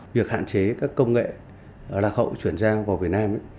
việc hạn chế các công nghệ lạc hậu chuyển giao vào việt nam